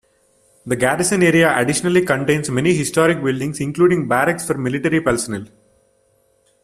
The Garrison area additionally contains many historic buildings including barracks for military personnel.